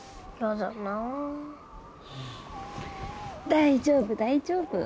大丈夫大丈夫